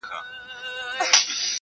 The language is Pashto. o هندو ژړل پياز ئې خوړل٫